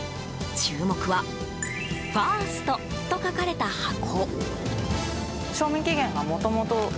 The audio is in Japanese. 注目は「ファースト」と書かれた箱。